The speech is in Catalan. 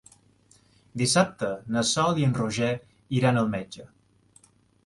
Dissabte na Sol i en Roger iran al metge.